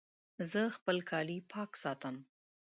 زه خپل کالي پاک ساتم.